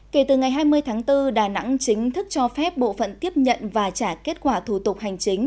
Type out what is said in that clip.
kể từ ngày hai mươi tháng bốn đà nẵng chính thức cho phép bộ phận tiếp nhận và trả kết quả thủ tục hành chính